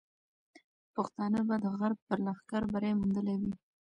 پښتانه به د غرب پر لښکر بری موندلی وي.